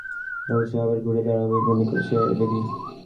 এদিকে এশিয়ার দেশগুলো চলতি অর্থবছরে আবার ঘুরে দাঁড়াবে বলে মনে করছে এডিবি।